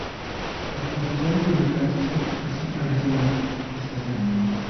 Las construcciones ubicándose así al este de la estación.